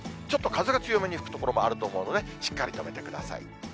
ちょっと風が強めに吹く所もあると思うので、しっかり留めてください。